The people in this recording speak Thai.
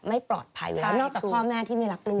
ไม่ออกจากพ่อแม่ที่ไม่รักลูก